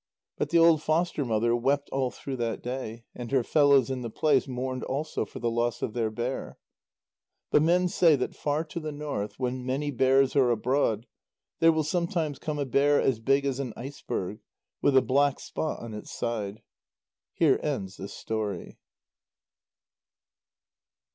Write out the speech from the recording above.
But the old foster mother wept all through that day, and her fellows in the place mourned also for the loss of their bear. But men say that far to the north, when many bears are abroad, there will sometimes come a bear as big as an iceberg, with a black spot on its side. Here ends this story.